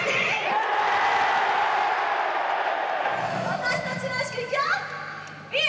私たちらしく行くよ！